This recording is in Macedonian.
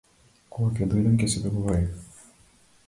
Кога ќе дојдам ќе се договориме.